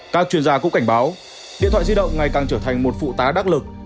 các chuyên gia cũng cảnh báo điện thoại di động ngày càng trở thành một phụ tá đắc lực